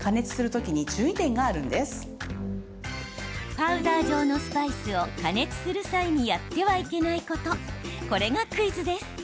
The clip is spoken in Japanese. パウダー状のスパイスを加熱する際にやってはいけないことこれがクイズです。